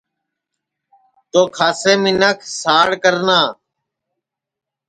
تو کھاسے منکھ ساڑ کرنا